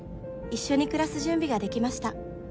一緒に暮らす準備ができました」